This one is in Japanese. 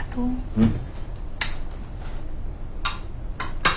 うん。